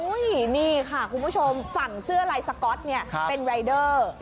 นี่ค่ะคุณผู้ชมฝั่งเสื้อลายสก๊อตเนี่ยเป็นรายเดอร์